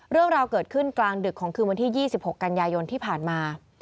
เรื่องราวเกิดขึ้นกลางดึกของคืนวันที่๒๖กันยายนที่ผ่านมา